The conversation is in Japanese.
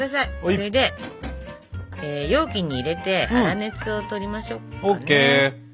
それで容器に入れて粗熱をとりましょっかね。ＯＫ。